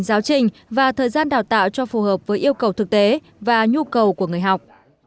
giáo trình và thời gian đào tạo cho phù hợp với yêu cầu thực tế và nhu cầu của người học